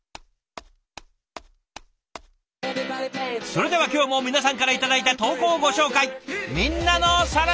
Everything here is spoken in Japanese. それでは今日も皆さんから頂いた投稿をご紹介。